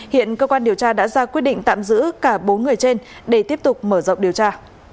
hiện cơ quan điều tra đã ra quyết định tạm giữ cả bốn người trên để tiếp tục mở rộng điều tra